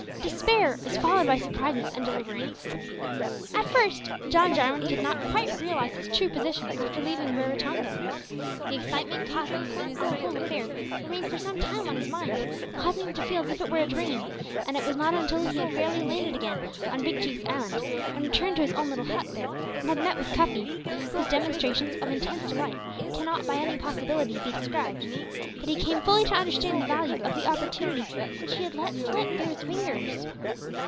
DESPAIR IS FOLLOWED BY SURPRISES AND DELIVERANCE. At first John Jarwin could not quite realise his true position after leaving Raratonga. The excitement consequent on the whole affair remained for some time on his mind, causing him to feel as if it were a dream, and it was not until he had fairly landed again on Big Chief's island, and returned to his own little hut there, and had met with Cuffy whose demonstrations of intense delight cannot by any possibility be described that he came fully to understand the value of the opportunity which he had let slip through his fingers.